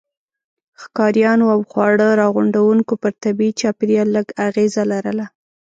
ښکاریانو او خواړه راغونډوونکو پر طبيعي چاپیریال لږ اغېزه لرله.